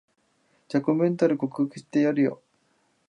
雑魚メンタル克服してやるよ